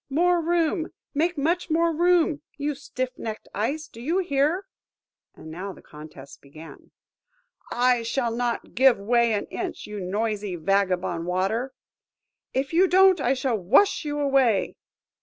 more room! make much more room? You stiff necked Ice, do you hear?" And now the contest began.–"I shall not give way an inch, you noisy vagabond Water!" –"If you don't, I shall wash you away!"